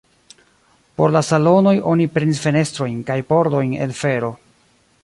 Por la salonoj oni prenis fenestrojn kaj pordojn el fero.